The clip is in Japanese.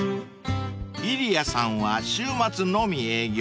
［Ｉｒｉａさんは週末のみ営業］